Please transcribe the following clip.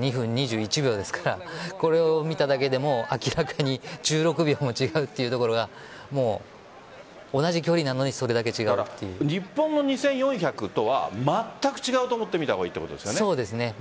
２分２１秒ですからこれを見ただけでも明らかに１６秒も違うというところが同じ距離なのに日本の２４００とはまったく違うと思って見たほうがいいそうですね。